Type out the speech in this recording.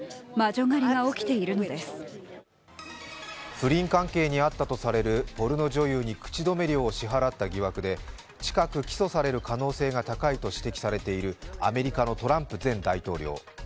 不倫関係にあったとされるポルノ女優に口止め料を支払った疑惑で近く起訴される可能性が高いと指摘されているアメリカのトランプ前大統領。